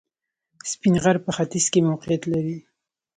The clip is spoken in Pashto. سپین غر په ختیځ کې موقعیت لري